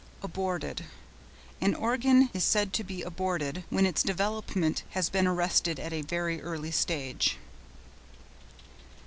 ABORTED.—An organ is said to be aborted, when its development has been arrested at a very early stage.